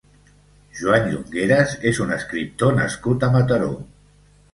Joan Llongueras és un escriptor nascut a Mataró.